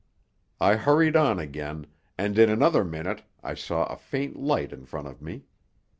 I hurried on again, and in another minute I saw a faint light in front of me.